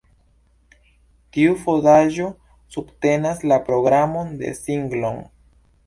Tiu fondaĵo subtenas la programon de Singlong.